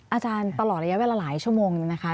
อาจารย์ตลอดระยะไว้ละหลายชั่วโมงนะคะ